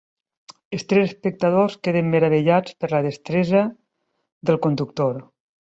Els tres espectadors queden meravellats per la destresa del conductor.